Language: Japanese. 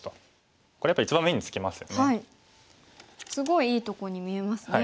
すごいいいとこに見えますね。